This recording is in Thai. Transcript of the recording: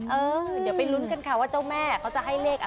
เออเดี๋ยวไปลุ้นกันค่ะว่าเจ้าแม่เขาจะให้เลขอะไร